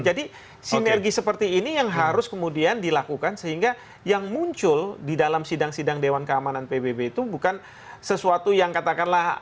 jadi sinergi seperti ini yang harus kemudian dilakukan sehingga yang muncul di dalam sidang sidang dewan keamanan pbb itu bukan sesuatu yang katakanlah apa yang amerika merintis